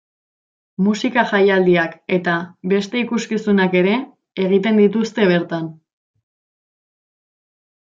Musika jaialdiak eta beste ikuskizunak ere egiten dituzte bertan.